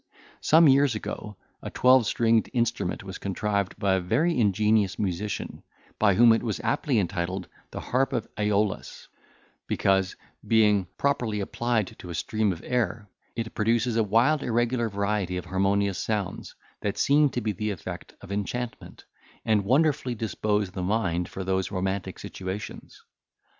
Some years ago, a twelve stringed instrument was contrived by a very ingenious musician, by whom it was aptly entitled the "Harp of Aeolus," because, being properly applied to a stream of air, it produces a wild irregular variety of harmonious sounds, that seem to be the effect of enchantment, and wonderfully dispose the mind for the most romantic situations.